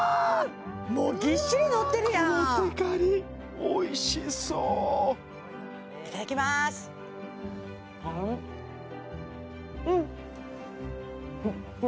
もうぎっしりのってるやんこのテカりおいしそういただきまーすうん！